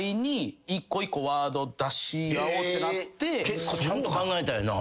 結構ちゃんと考えたんやな。